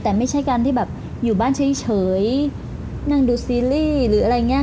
แต่ไม่ใช่การที่แบบอยู่บ้านเฉยนั่งดูซีรีส์หรืออะไรอย่างนี้